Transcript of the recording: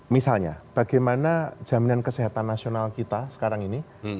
misalnya bagaimana jaminan kesehatan nasional kita sekarang ini